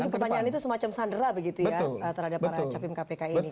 jadi pertanyaan itu semacam sandera begitu ya terhadap para capim kpk ini